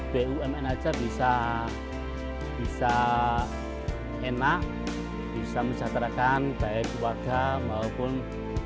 bumn aja bisa enak bisa menyehatkan baik warga maupun warga